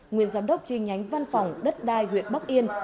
nguyên giám đốc chi nhánh văn phòng đất đai huyện bắc yên